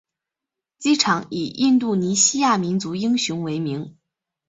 机场以印度尼西亚民族英雄为名。